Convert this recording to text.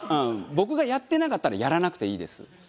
僕がやってなかったらやらなくていいです。